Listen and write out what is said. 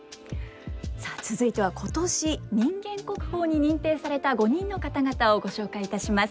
さあ続いては今年人間国宝に認定された５人の方々をご紹介いたします。